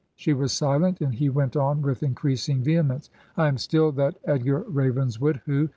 She was silent, and he went on with increasing vehemence, 'I am still that Edgar Ravenswood, who